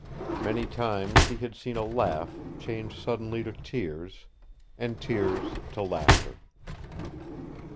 Many times he had seen a laugh change suddenly to tears, and tears to laughter.